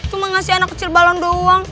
tuh mengasih anak kecil balon doang